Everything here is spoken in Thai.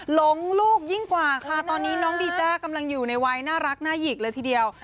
หลงลูกยิ่งกว่าค่ะตอนนี้น้องดีจ้ากำลังอยู่ในวัยน่ารักน่าหยิกเลยทีเดียว